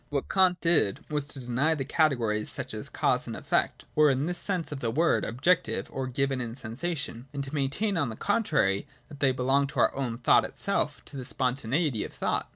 What Kant did, was to deny that the categories, such as cause and effect, were, in this sense of the word, objective, or given in sensation, and to maintain on the contrary that they belonged to our own thought itself, to the spontaneity of thought.